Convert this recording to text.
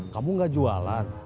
kamu ngga jualan